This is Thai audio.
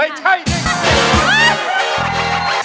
เป็นไง